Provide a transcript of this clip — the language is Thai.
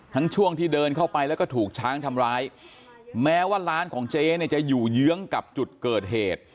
ช่วงที่เดินเข้าไปแล้วก็ถูกช้างทำร้ายแม้ว่าร้านของเจ๊เนี่ยจะอยู่เยื้องกับจุดเกิดเหตุ